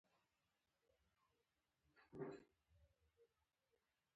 پنځه ویشت لویې کارخانې د بانکونو برخه وې